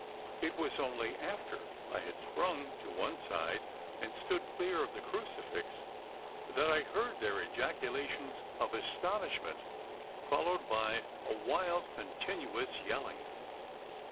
It was only after I had sprung to one side, and stood clear of the crucifix, that I heard their ejaculations of astonishment, followed by a wild continuous yelling.